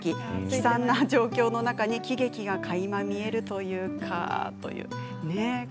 悲惨な状況の中に喜劇がかいま見えるというかというメッセージです。